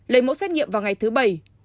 lấy mẫu xét nghiệm vào ngày thứ bảy